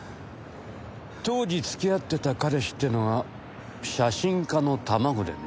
当時付き合ってた彼氏っていうのは写真家の卵でね。